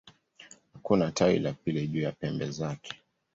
Hakuna tawi la pili juu ya pembe zake.